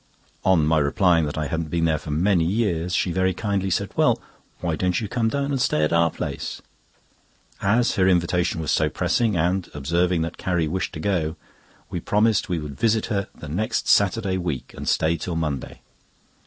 On my replying that I hadn't been there for many years, she very kindly said: "Well, why don't you come down and stay at our place?" As her invitation was so pressing, and observing that Carrie wished to go, we promised we would visit her the next Saturday week, and stay till Monday.